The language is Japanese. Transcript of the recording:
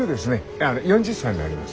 あの４０歳になります。